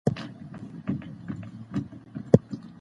دا سيستمونه نيمه پېړۍ وړاندې جوړېدل پيل کړل.